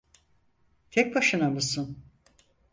Tek başına mısın?